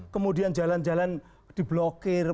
kemudian jalan jalan diblokir